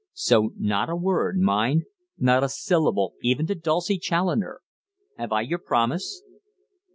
So not a word, mind; not a syllable even to Dulcie Challoner have I your promise?"